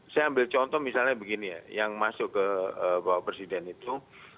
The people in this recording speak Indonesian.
saya ambil contoh misalnya begini ya yang masuk ke bapak presiden itu